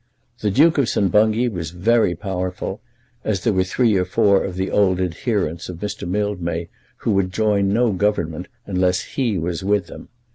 The Duke of St. Bungay was very powerful, as there were three or four of the old adherents of Mr. Mildmay who would join no Government unless he was with them.